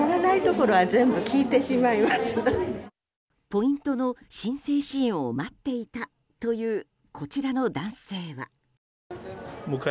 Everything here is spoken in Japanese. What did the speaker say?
ポイントの申請支援を待っていたというこちらの男性は。